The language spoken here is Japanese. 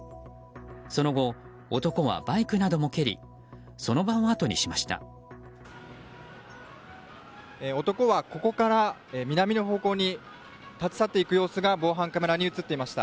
その後、男はバイクなども蹴りその場を後にしました。